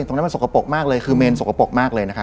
ตรงนั้นมันสกระปกมากเลยคือเมนสกระปกมากเลย